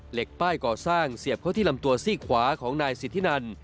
เหล็กป้ายก่อสร้างเสียบเข้าที่ลำตัวซี่ขวาของนายสิทธินัน